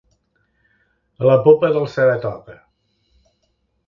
A la popa del Saratoga.